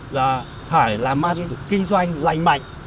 là phải làm ăn kinh doanh lành mạnh